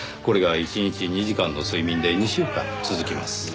これが１日２時間の睡眠で２週間続きます。